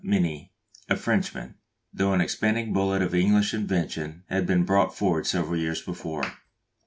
Minié, a Frenchman, though an expanding bullet of English invention had been brought forward several years before.